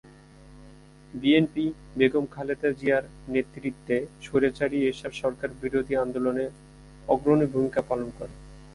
BNP Begum Khaleda জিয়ার নেতৃত্বে স্বৈরাচারী এরশাদ সরকার বিরোধী আন্দোলনে অগ্রণী ভূমিকা পালন করে।